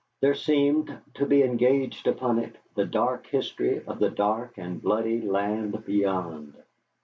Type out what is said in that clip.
There seemed to be engraved upon it the dark history of the dark and bloody land beyond.